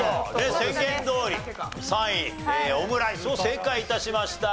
宣言どおり３位オムライスを正解致しました。